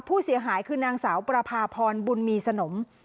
ผู้เสียหายคือนางสาวประพาพรบุญมีสนม